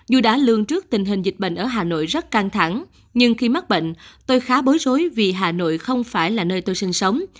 dù đã lương trước tình hình dịch bệnh ở hà nội rất căng thẳng nhưng khi mắc bệnh tôi khá bối rối vì hà nội không phải là nơi tôi sinh sống